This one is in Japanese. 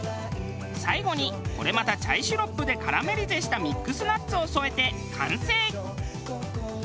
最後にこれまたチャイシロップでカラメリゼしたミックスナッツを添えて完成。